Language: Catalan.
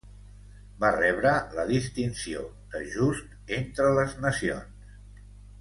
Va rebre la distinció de Just entre les nacions.